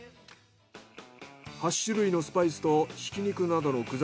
８種類のスパイスとひき肉などの具材。